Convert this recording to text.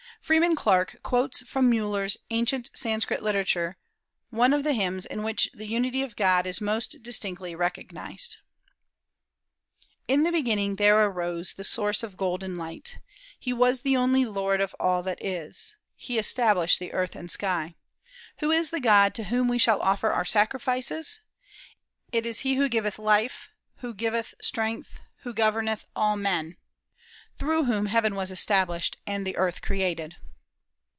Freeman Clarke quotes from Müller's "Ancient Sanskrit Literature" one of the hymns in which the unity of God is most distinctly recognized: "In the beginning there arose the Source of golden light. He was the only Lord of all that is. He established the earth and sky. Who is the God to whom we shall offer our sacrifices? It is he who giveth life, who giveth strength, who governeth all men; through whom heaven was established, and the earth created."